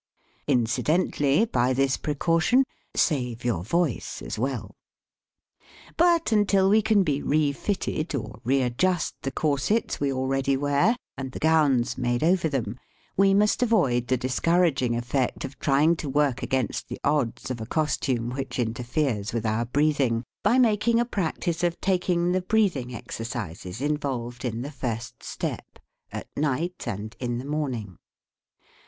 Incidentally, by this precaution, save your voice as well. But until we can be refitted, or readjust 8 LEARNING TO SUPPORT THE TONE the corsets we already wear, and the gowns made over them, we must avoid the discour aging effect of trying to work against the odds of a costume which interferes with our breathing, by making a practice of taking the ^ breathing exercises involved in the first step, at night and in the morning.